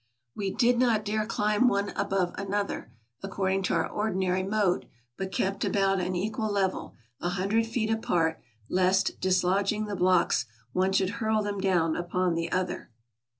We did not dare climb one above another, according to our ordinary mode, but kept about an equal level, a hundred feet apart, lest, dislodging the blocks, one should hurl them down upon the other.